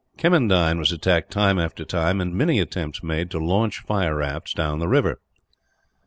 Kemmendine was attacked time after time, and many attempts made to launch fire rafts down the river.